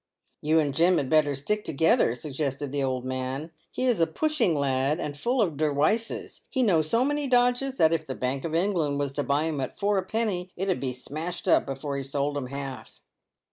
" You and Jim had better stick together," suggested the old man ;" he is a pushing lad, and full of derwices. He know so many dodges, that if the Bank of England was to buy 'em at four a penny, it 'ud be smashed up before he sold 'em half."